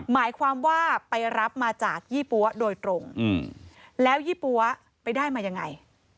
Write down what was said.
หมายความว่าไปรับมาจากยี่ปั๊วโดยตรงแล้วยี่ปั๊วไปได้มายังไง